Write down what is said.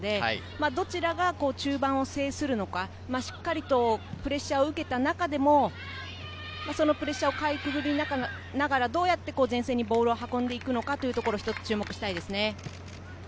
どちらが中盤を制するのか、しっかりとプレッシャーを受けた中でも、そのプレッシャーをかいくぐりながら、どうやって前線にボールを運んでいくのかというところに注目したいですね。